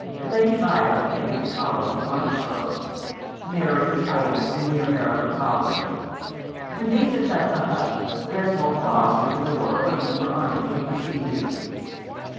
Lady Violet headed the column with Armstrong ; Mary, Ida, and the American following. When these had left the hut Greswold paused at the door, waiting for Arnold to precede him.